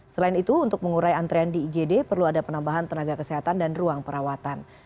selain itu untuk mengurai antrean di igd perlu ada penambahan tenaga kesehatan dan ruang perawatan